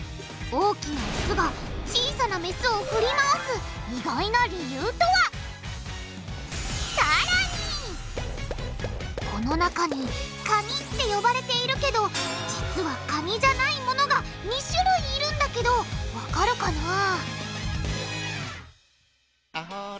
大きなオスが小さなメスを振り回すこの中にカニって呼ばれているけど実はカニじゃないものが２種類いるんだけどわかるかな？